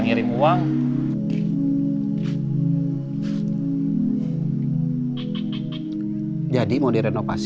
kamu mau ke kampus